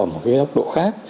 ở một cái góc độ khác